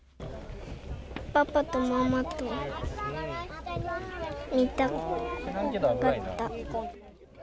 パパとママと見たかった。